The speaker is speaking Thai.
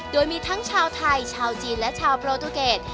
โดยมีทั้งชาวไทยชาวจีนและชาวโปรตูเกต